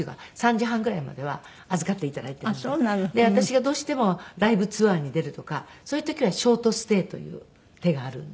私がどうしてもライブツアーに出るとかそういう時はショートステイという手があるんで。